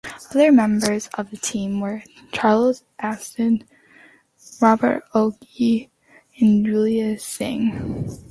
Other members of the team were Charles Asati, Robert Ouko and Julius Sang.